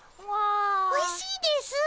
おいしいですぅ。